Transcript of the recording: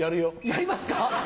やりますか？